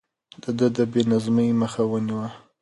ده د بې نظمۍ مخه ونيوه.